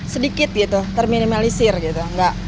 sedikit gitu terminimalisir gitu